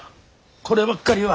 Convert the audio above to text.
こればっかりは。